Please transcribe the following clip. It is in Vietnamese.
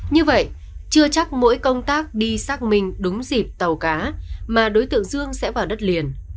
như vậy chưa chắc mỗi công tác đi xác minh đúng dịp tàu cá mà đối tượng dương sẽ vào đất liền